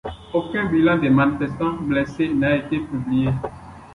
Aucun bilan des manifestants blessés n’a été publié.